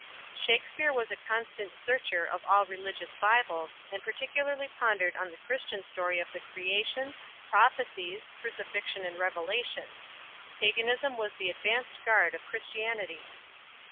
Shakspere was a constant searcher of all religious bibles, and particularly pondered on the Christian story of the creation, prophecies, crucifixion and revelation. Paganism was the advanced guard of Christianity!